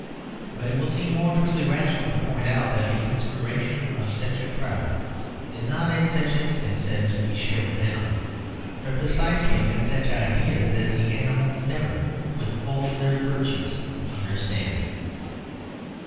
But it will seem more truly rational to point out that the inspiration of such a crowd is not in such instincts as we share with the animals, but precisely in such ideas as the animals never (with all their virtues) understand.